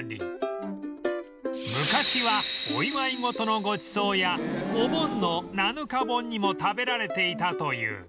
昔はお祝い事のごちそうやお盆の七日盆にも食べられていたという